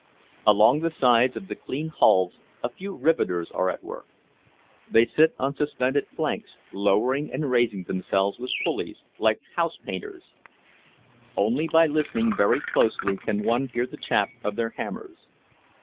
Along the sides of the clean hulls a few riveters are at work; they sit on suspended planks, lowering and raising themselves with pulleys, like house painters. Only by listening very closely can one hear the tap of their hammers.